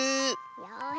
よし。